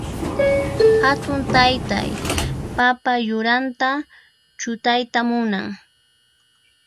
Hatun taytay papa yuranta chutayta munan.